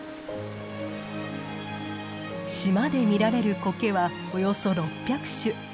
島で見られるコケはおよそ６００種。